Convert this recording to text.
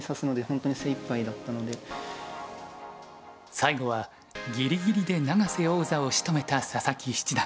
最後はギリギリで永瀬王座をしとめた佐々木七段。